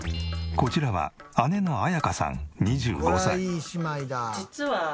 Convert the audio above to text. こちらは姉の綾香さん２５歳。